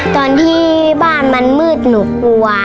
ตอนที่บ้านมันมืดหนูกลัว